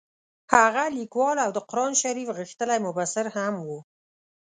هغه لیکوال او د قران شریف غښتلی مبصر هم وو.